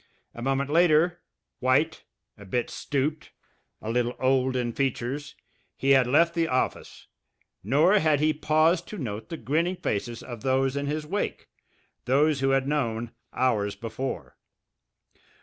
A moment later, white, a bit stooped, a little old in features, he had left the office, nor had he paused to note the grinning faces of those in his wake, those who had known hours before!